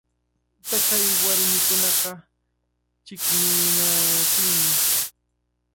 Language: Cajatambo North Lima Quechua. Taqay warmikunaqa chiqninakunmi.